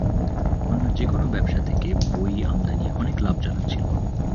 অন্য যেকোনো ব্যবসা থেকে বই আমদানী অনেক লাভজনক ছিল।